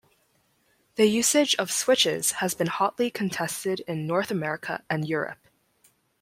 The usage of switches has been hotly contested in North America and Europe.